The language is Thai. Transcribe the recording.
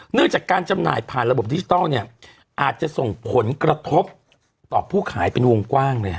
เนื่องจากการจำหน่ายผ่านระบบดิจิทัลเนี่ยอาจจะส่งผลกระทบต่อผู้ขายเป็นวงกว้างเลยฮ